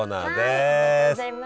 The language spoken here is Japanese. ありがとうございます。